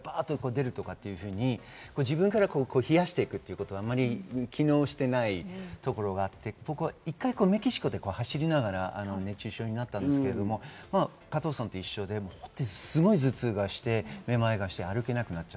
自分から冷やしていくということはあまり機能していないところがあって、一回、メキシコで走りながら熱中症になったんですけど、加藤さんと一緒で、すごい頭痛がして目まいがして、歩けなくなった。